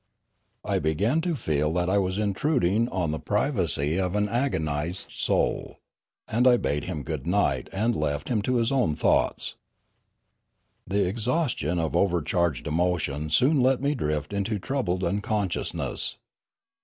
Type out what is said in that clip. I began to feel that I was intruding on the privacy of an agonised soul, and I bade him good night and left him to his own thoughts. The exhaustion of overcharged emotion soon let me drift into troubled unconsciousness.